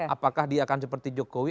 apakah dia akan seperti jokowi